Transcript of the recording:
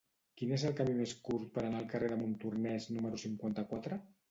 Quin és el camí més curt per anar al carrer de Montornès número cinquanta-quatre?